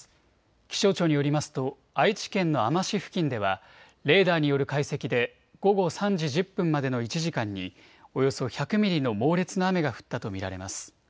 気象庁によりますと愛知県のあま市付近ではレーダーによる解析で午後３時１０分までの１時間におよそ１００ミリの猛烈な雨が降ったと見られます。